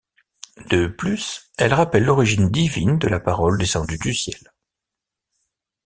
De plus, elle rappelle l'origine divine de la parole descendue du ciel.